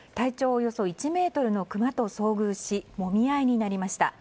およそ１ｍのクマと遭遇しもみ合いになりました。